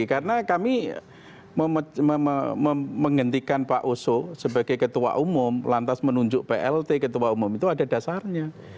karena kami menghentikan pak osho sebagai ketua umum lantas menunjuk plt ketua umum itu ada dasarnya